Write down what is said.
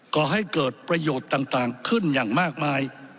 ก่อให้เกิดประโยชน์ต่างขึ้นอย่างมากมาย